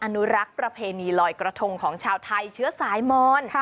อนุรักษ์ประเพณีลอยกระทงของชาวไทยเชื้อสายมอน